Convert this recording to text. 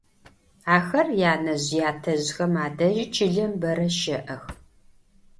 Axer yanezj - yatezjxem adeji çılem bere şe'ex.